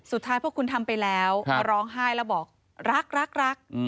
สุดท้ายพวกคุณทำไปแล้วมาร้องไห้แล้วบอกรักรัก